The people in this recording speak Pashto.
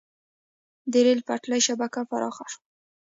د ریل پټلۍ شبکه پراخه شوه.